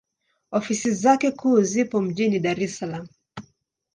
Ofisi zake kuu zipo mjini Dar es Salaam.